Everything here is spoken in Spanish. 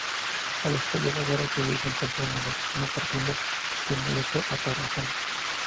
Al estallar la Guerra Civil se encontraba en Barcelona, partiendo de inmediato a Tarragona.